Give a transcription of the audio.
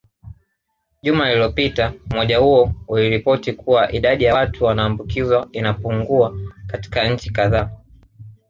Juma lilopita umoja huo uliripoti kuwa idadi ya watu wanaoambukizwa inapungua katika nchi kadhaa